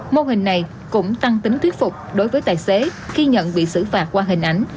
mô hình này cũng tăng tính thuyết phục đối với tài xế khi nhận bị xử phạt qua hình ảnh